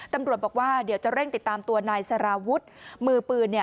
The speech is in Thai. ตำรวจบอกว่าเดี๋ยวจะเร่งติดตามตัวนายสารวุฒิมือปืน